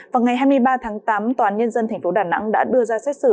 vào ngày hai mươi ba tháng tám tòa án nhân dân tp đà nẵng đã đưa ra xét xử